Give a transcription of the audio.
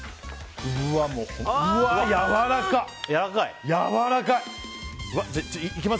うわ、やわらかい！